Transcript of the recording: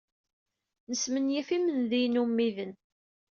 Nesmenyaf imendiyen ummiden.